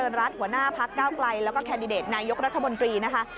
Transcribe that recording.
รัฐหัวหน้าพักเก้าไกลแล้วก็แคนดิเดตนายกรัฐมนตรีนะคะ